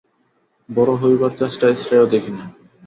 বড়ো হইবার চেষ্টায় শ্রেয় দেখি না।